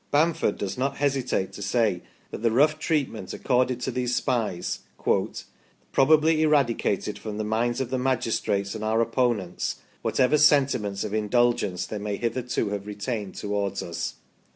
Bamford does not hesitate to say that the rough treatment accorded to these spies " probably eradicated from the minds of the magistrates and our opponents whatever sentiments of indulgence they may hitherto have retained towards us